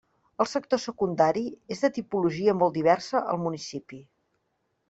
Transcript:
El sector secundari és de tipologia molt diversa al municipi.